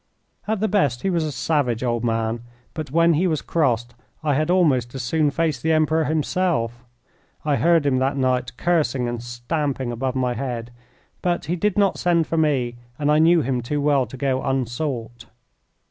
At the best he was a savage old man, but when he was crossed I had almost as soon face the Emperor himself. I heard him that night cursing and stamping above my head, but he did not send for me, and I knew him too well to go unsought.